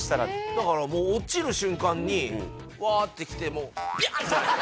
だからもう落ちる瞬間にうわって来て。